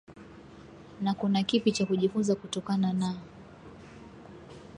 na kuna kipi cha kujifunza kutokana na